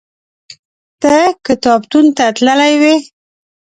ته کتابتون ته تللی وې؟